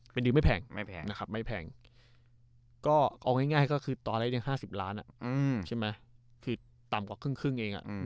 ก็เอาง่ายก็คือตอนแรกยัง๕๐ล้านคือต่ำกว่าครึ่งเอง